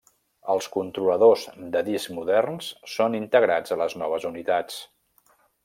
Els controladors de disc moderns són integrats a les noves unitats.